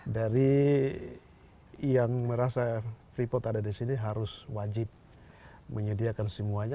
dari yang merasa freeport ada di sini harus wajib menyediakan semuanya